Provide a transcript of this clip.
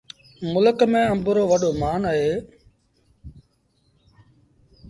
ملڪ ميݩ آݩب رو وڏو مآݩ اهي۔